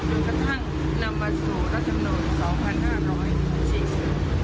จนกระทั่งนำมาสู่รัฐบาลสมุน๒๕๔๐